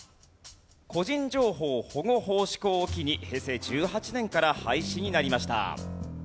個人情報保護法施行を機に平成１８年から廃止になりました。